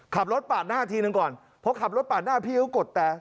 ขับรถปาดหน้าทีหนึ่งก่อนเพราะขับรถปาดหน้าพี่เขากดแต่